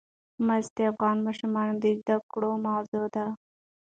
مس د افغان ماشومانو د زده کړې موضوع ده.